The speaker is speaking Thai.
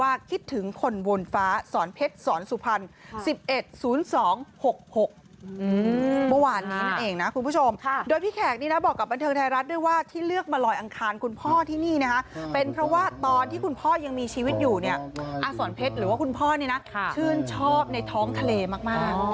อาสวรเพชรหรือว่าคุณพ่อเนี่ยนะชื่นชอบในท้องทะเลมาก